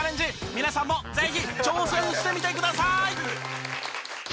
皆さんもぜひ挑戦してみてください！